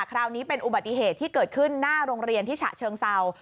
คราวนี้เป็นอุบัติเหตุที่เกิดขึ้นหน้าโรงเรียนที่ฉะเชิงเศร้า